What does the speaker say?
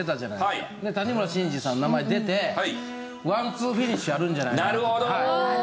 谷村新司さんの名前出てワンツーフィニッシュあるんじゃないかなと。